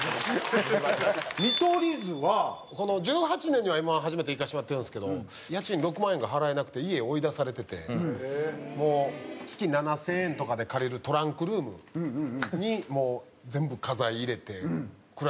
２０１８年にはＭ−１初めて行かせてもらってるんですけど家賃６万円が払えなくて家追い出されててもう月７０００円とかで借りるトランクルームにもう全部家財入れて暮らしてたんですよ。